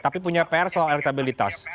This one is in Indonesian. tapi punya pr soal elektabilitas